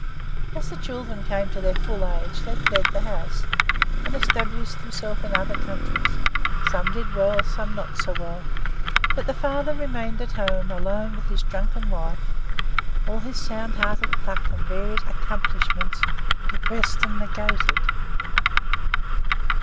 As the children came to their full age they fled the house, and established themselves in other countries; some did well, some not so well; but the father remained at home alone with his drunken wife, all his sound hearted pluck and varied accomplishments depressed and negatived.